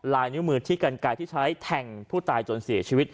ลายนิ้วมือที่กันกายที่ใช้แทงผู้ตายจนเสียชีวิต